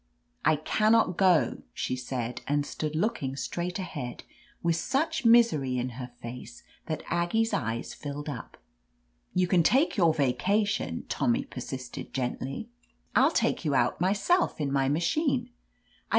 "I can not go," she said, and stood looking straight ahead with such misery in her face that Aggie's eyes filled up. "You can take your vacation," Tommy per 28 OF LETITIA CARBERRY sisted, gently, 'TU take you out myself in my machine." 'T.